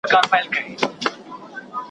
د ټانګې آس بل خواته نه ګوري .